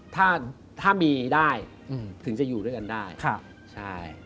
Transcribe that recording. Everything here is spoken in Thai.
ถ้ามีได้ถึงจะอยู่ด้วยกันได้